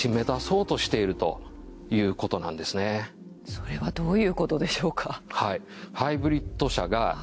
それはどういうことでしょうか？